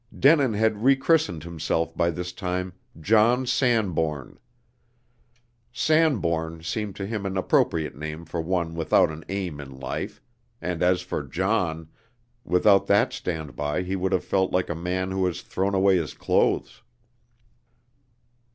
Denin had rechristened himself by this time "John Sanbourne." Sanbourne seemed to him an appropriate name for one without an aim in life, and as for "John," without that standby he would have felt like a man who has thrown away his clothes.